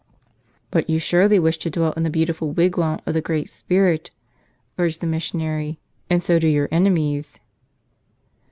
"But you surely wish to dwell in the beautiful wig¬ wam of the Great Spirit," urged the missionary; "and so do your enemies."